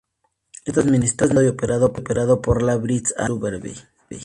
Es administrado y operado por la British Antarctic Survey.